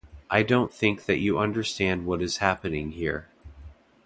I don't think that you understand what is happening here.